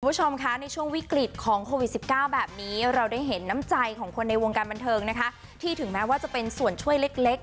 คุณผู้ชมคะในช่วงวิกฤตของโควิด๑๙แบบนี้เราได้เห็นน้ำใจของคนในวงการบันเทิงนะคะที่ถึงแม้ว่าจะเป็นส่วนช่วยเล็กเล็ก